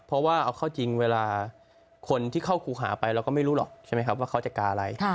เพราะว่าเอาเข้าจริงเวลาคนที่เข้าครูหาไปเราก็ไม่รู้หรอกใช่ไหมครับว่าเขาจะกาอะไร